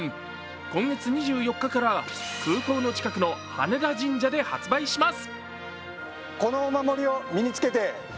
今月２４日から空港の近くの羽田神社で発売します。